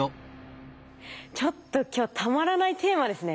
ちょっと今日たまらないテーマですね